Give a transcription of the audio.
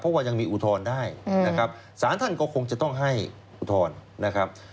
เพราะว่ายังมีอุทธรณ์ได้นะครับสารท่านก็คงจะต้องให้อุทธรณ์นะครับ